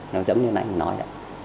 nó giống như nãy mình nói rồi